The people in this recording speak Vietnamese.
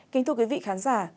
kính thưa quý vị khán giả